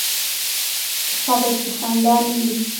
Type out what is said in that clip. په قبر کې خندا نه وي.